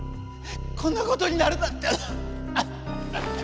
こんなことになるなんて。